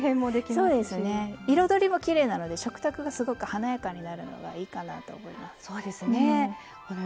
そうですね彩りもきれいなので食卓がすごく華やかになるのがいいかなと思います。